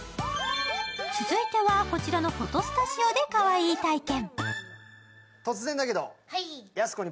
続いては、こちらのフォトスタジオでかわいい体験。